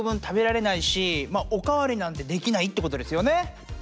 食べられないしまっおかわりなんてできないってことですよね。